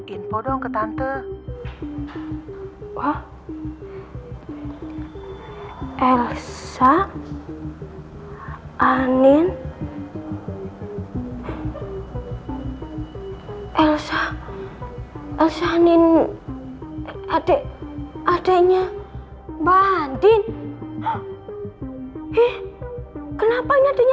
info dong ke tante wah elsa anin elsa elsa anin adek adeknya mbak handin eh kenapa nyatinya